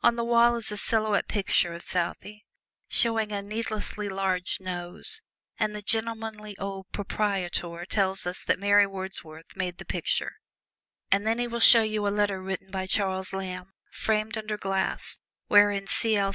On the wall is a silhouette picture of Southey, showing a needlessly large nose, and the gentlemanly old proprietor will tell you that Dorothy Wordsworth made the picture; and then he will show you a letter written by Charles Lamb, framed under glass, wherein C.L.